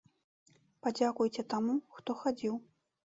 Падзякуйце таму, хто хадзіў.